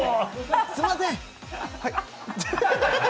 すんません！